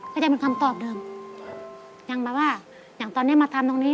ก็ยังเป็นคำตอบเดิมยังแบบว่าอย่างตอนนี้มาทำตรงนี้